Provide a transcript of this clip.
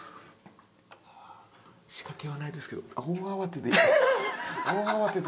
仕掛けはないですけど。